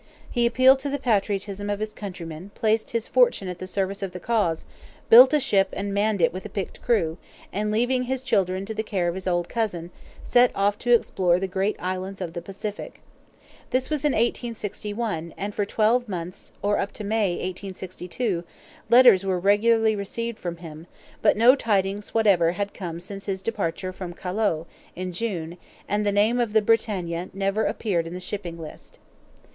He appealed to the patriotism of his countrymen, placed his fortune at the service of the cause, built a ship, and manned it with a picked crew, and leaving his children to the care of his old cousin set off to explore the great islands of the Pacific. This was in 1861, and for twelve months, or up to May, 1862, letters were regularly received from him, but no tidings whatever had come since his departure from Callao, in June, and the name of the BRITANNIA never appeared in the Shipping List.